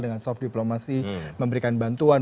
dengan soft diplomasi memberikan bantuan